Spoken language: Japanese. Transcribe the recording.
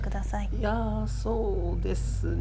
いやそうですね。